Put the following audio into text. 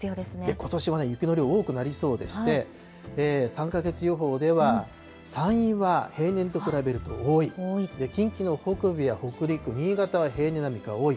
ことしは雪の量、多くなりそうでして、３か月予報では山陰は平年と比べると多い、近畿の北部や北陸、新潟は平年並みか多い。